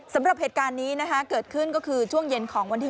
สำหรับเหตุการณ์นี้นะคะเกิดขึ้นก็คือช่วงเย็นของวันที่๒